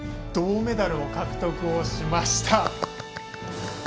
銅メダルを獲得しました。